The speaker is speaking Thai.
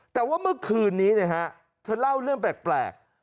แต่ว่าเมื่อคืนนี้เธอเล่าเรื่องแปลก